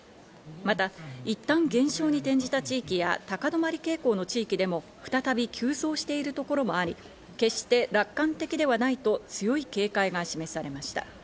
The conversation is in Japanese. また、いったん減少に転じた地域や高止まり傾向の地域でも再び急増しているところもあり、決して楽観的ではないと強い警戒が示されました。